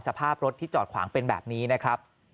สภาพรถที่จอดขวางเป็นแบบนี้นะครับ